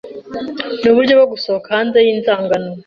Nuburyo bwo gusohoka hanze yinzangano